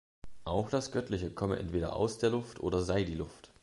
Auch das Göttliche komme entweder aus der Luft oder sei die Luft.